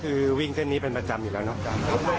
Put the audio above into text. คือวิ่งเส้นนี้เป็นประจำอยู่แล้วเนาะ